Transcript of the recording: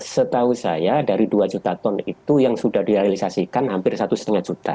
setahu saya dari dua juta ton itu yang sudah direalisasikan hampir satu lima juta